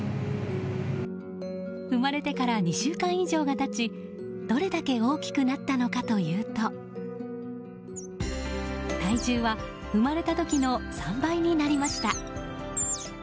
生まれてから２週間以上が経ちどれだけ大きくなったのかというと体重は生まれた時の３倍になりました。